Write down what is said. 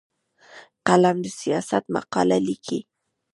قلم د سیاست مقاله لیکي